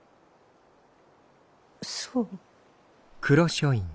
そう。